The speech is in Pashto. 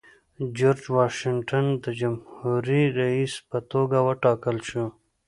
جورج واشنګټن د جمهوري رئیس په توګه وټاکل شو.